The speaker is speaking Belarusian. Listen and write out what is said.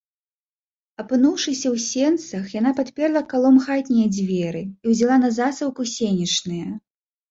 Апынуўшыся ў сенцах, яна падперла калом хатнія дзверы і ўзяла на засаўку сенечныя.